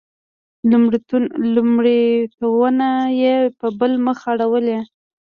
لومړیتونه یې په بل مخ اړولي.